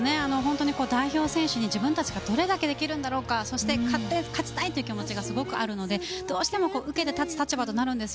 代表選手に自分たちがどれだけできるんだろうか勝ちたいという気持ちがすごくあるのでどうしても受けて立つ立場となるんです。